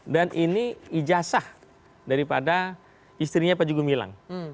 dan ini ijazah daripada istrinya panjago milang